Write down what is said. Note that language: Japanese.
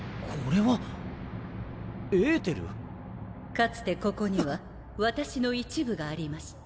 かつてここには私の一部がありました